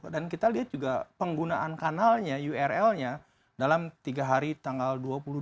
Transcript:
dan kita lihat juga penggunaan kanalnya url nya dalam tiga hari tanggal dua puluh dua dua puluh tiga dua puluh empat